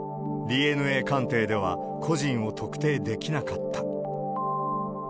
ＤＮＡ鑑定では個人を特定できなかった。